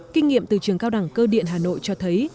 kinh nghiệm từ trường cao đẳng cơ điện hà nội cho thấy